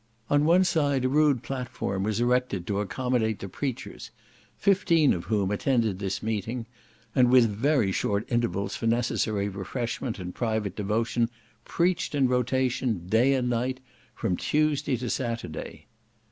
On one side a rude platform was erected to accommodate the preachers, fifteen of whom attended this meeting, and with very short intervals for necessary refreshment and private devotion, preached in rotation, day and night, from Tuesday to Saturday.